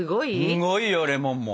すごいよレモンも。